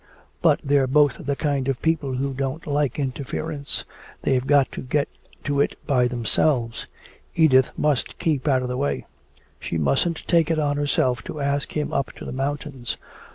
But they're both the kind of people who don't like interference, they've got to get to it by themselves. Edith must keep out of the way. She mustn't take it on herself to ask him up to the mountains."